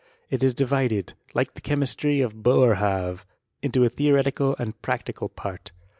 It is divided, like the cherabtry of Boerhaave, into a theoretical and practical part.